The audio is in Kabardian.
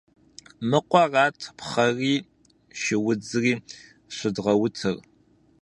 Мы къуэрат пхъэри шыудзри щыдгъуэтыр.